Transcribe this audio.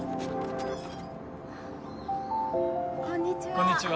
こんにちは。